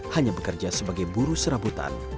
hanya bekerja sebagai buru serabutan